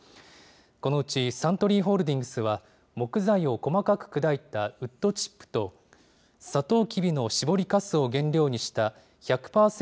このうちサントリーホールディングスは、木材を細かく砕いたウッドチップと、サトウキビの搾りかすを原料にした１００％